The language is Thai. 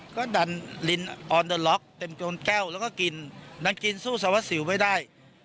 ก็ดันลินออนเดอร์ล็อกเต็มโจรแก้วแล้วก็กินดันกินสู้สารวัสสิวไม่ได้